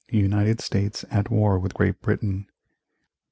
United States at war with Great Britain 1814.